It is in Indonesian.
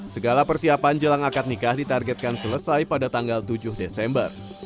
segala persiapan jelang akad nikah ditargetkan selesai pada tanggal tujuh desember